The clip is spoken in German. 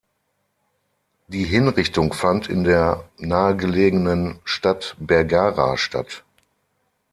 Die Hinrichtung fand in der nahegelegenen Stadt Bergara statt.